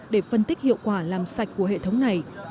để phân tích hiệu quả làm sạch của hệ thống này